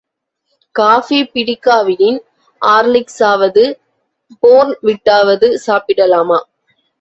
Coffee பிடிக்காவிடின், ஆர்லிக்சாவது போர்ன் விட்டாவாவது சாப்பிடலாமா?